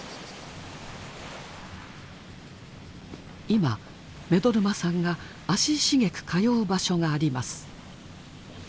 今目取真さんが足しげく通う場所があります。